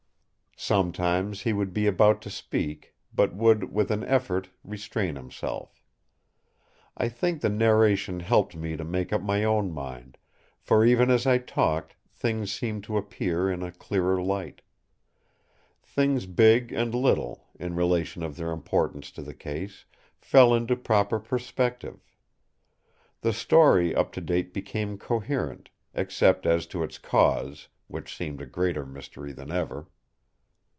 Sometimes he would be about to speak, but would, with an effort, restrain himself. I think the narration helped me to make up my own mind; for even as I talked, things seemed to appear in a clearer light. Things big and little, in relation of their importance to the case, fell into proper perspective. The story up to date became coherent, except as to its cause, which seemed a greater mystery than ever.